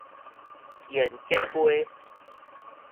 延吉街